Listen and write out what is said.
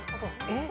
えっ？